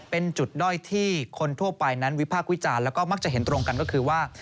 เป็นจุดด้อยที่คนทั่วไปนั้นวิพากษ์วิจารณ์แล้วก็มักจะเห็นตรงกันก็คือว่า